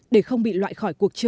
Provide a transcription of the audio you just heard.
để không bị loại khỏi cuộc sống